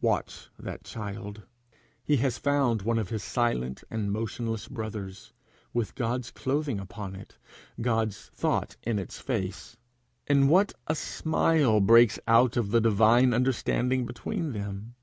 Watch that child! He has found one of his silent and motionless brothers, with God's clothing upon it, God's thought in its face. In what a smile breaks out the divine understanding between them!